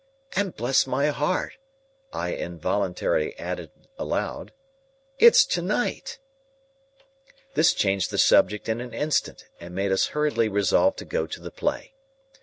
"And bless my heart," I involuntarily added aloud, "it's to night!" This changed the subject in an instant, and made us hurriedly resolve to go to the play.